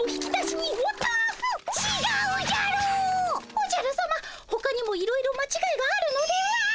おじゃるさまほかにもいろいろまちがいがあるのでは？